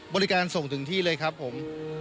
บริการส่งถึงที่เลยครับผม